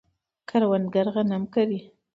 کروندګر غنم کري.